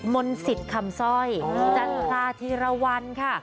มนศิษย์คำซ่อยจันทราธิรวรรณค่ะ